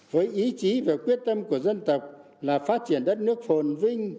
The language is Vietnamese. với ý chí và quyết tâm của dân tộc là phát triển đất nước phồn vinh